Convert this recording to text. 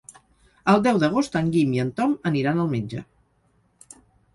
El deu d'agost en Guim i en Tom aniran al metge.